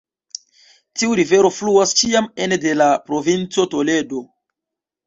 Tiu rivero fluas ĉiam ene de la provinco Toledo.